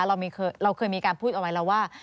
เราเคยมีการพูดเอาไว้แล้วว่า